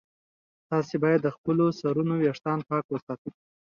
تاسي باید د خپلو سرونو ویښتان پاک وساتئ.